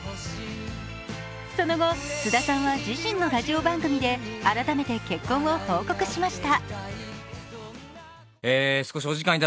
その後、菅田さんは自身のラジオ番組で改めて結婚を報告しました。